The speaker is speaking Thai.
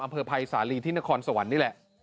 อำเภอภัยสาลีที่นครสวรรค์นี่แหละ